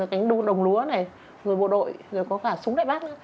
cả đồng lúa này rồi bộ đội rồi có cả súng đại bắc